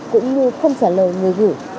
cũng như không trả lời người gửi